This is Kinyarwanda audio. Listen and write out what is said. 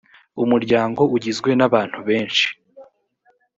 umuryango ugizwe n ‘abantu benshi.